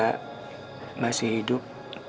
dia masih hidup